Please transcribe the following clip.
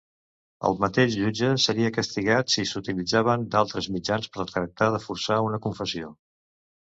El mateix jutge seria castigat si s'utilitzaven d'altres mitjans per tractar de forçar una confessió.